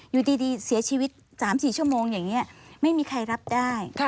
อยู่ดีเสียชีวิต๓๔ชั่วโมงอย่างนี้ไม่มีใครรับได้